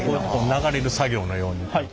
流れる作業のように。